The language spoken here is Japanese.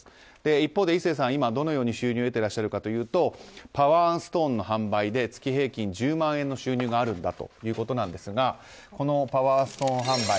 一方で、壱成さんどのように収入を得ているかというとパワーストーンの販売で月平均１０万円の収入があるということですがこのパワーストーン販売。